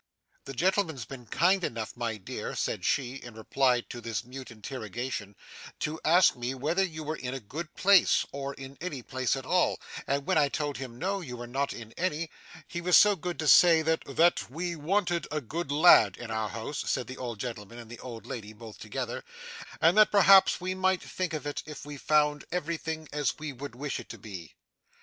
'The gentleman's been kind enough, my dear,' said she, in reply to this mute interrogation, 'to ask me whether you were in a good place, or in any place at all, and when I told him no, you were not in any, he was so good as to say that '' That we wanted a good lad in our house,' said the old gentleman and the old lady both together, 'and that perhaps we might think of it, if we found everything as we would wish it to be.